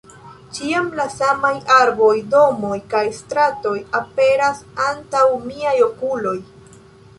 Ĉiam la samaj arboj, domoj kaj stratoj aperas antaŭ miaj okuloj.